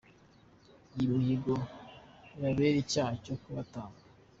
Iyo mihigo ibabera icyaha cyo kubatanga.